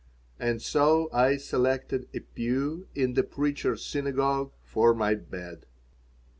And so I selected a pew in the Preacher's Synagogue for my bed.